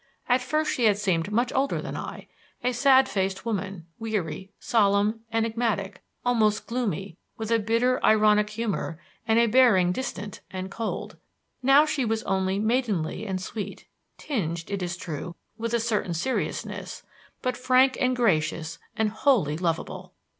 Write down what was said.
At first she had seemed much older than I; a sad faced woman, weary, solemn, enigmatic, almost gloomy, with a bitter, ironic humor and a bearing distant and cold. Now she was only maidenly and sweet; tinged, it is true, with a certain seriousness, but frank and gracious and wholly lovable.